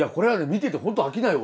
見ててホント飽きないよ